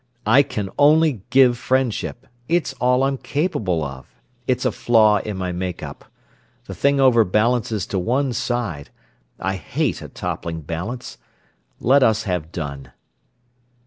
"I can only give friendship—it's all I'm capable of—it's a flaw in my make up. The thing overbalances to one side—I hate a toppling balance. Let us have done."